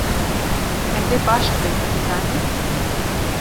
Ev ê baş bibe, tu dizanî.